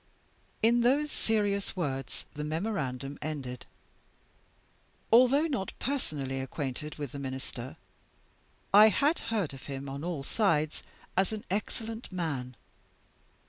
In those serious words the Memorandum ended. Although not personally acquainted with the Minister I had heard of him, on all sides, as an excellent man.